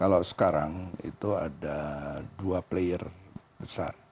kalau sekarang itu ada dua player besar